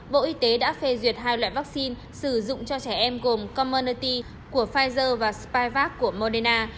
bộ y tế đã phê duyệt hai loại vaccine sử dụng cho trẻ em gồm commernoty của pfizer và spac của moderna